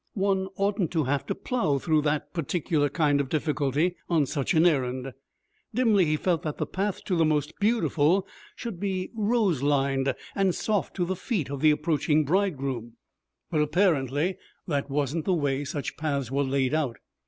One oughtn't to have to plough through that particular kind of difficulty on such an errand. Dimly he felt that the path to the Most Beautiful should be rose lined and soft to the feet of the approaching bridegroom. But, apparently, that wasn't the way such paths were laid out.